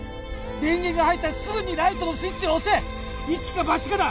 電源が入ったらすぐにライトのスイッチを押せ一か八かだ